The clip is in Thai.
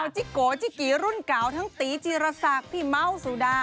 จิโกจิกีรุ่นเก่าทั้งตีจีรศักดิ์พี่เม้าสุดา